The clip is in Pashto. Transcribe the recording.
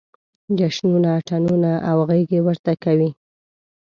جشنونه، اتڼونه او غېږې ورته کوي.